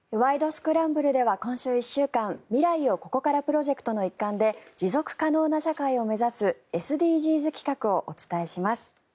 スクランブル」では今週１週間未来をここからプロジェクトの一環で持続可能な社会を目指すＳＤＧｓ企画をお伝えします。